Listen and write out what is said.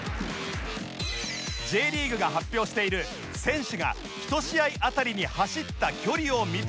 Ｊ リーグが発表している選手が１試合あたりに走った距離を見てみると